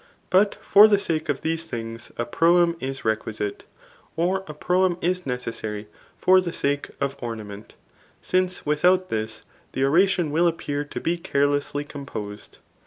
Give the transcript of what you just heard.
But for the sake of these things a proem is requisite* Or a proem is necessary for the sake of ornament ; since ^thout this the oration will appear to be carelessly com posed.